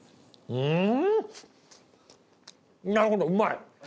うん。